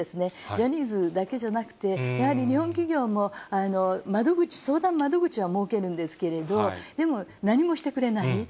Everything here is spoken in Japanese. ジャニーズだけじゃなくて、やはり日本企業も、窓口、相談窓口は設けるんですけれども、でも、何もしてくれない。